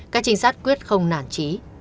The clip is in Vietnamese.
các trinh sát quyết không nản trí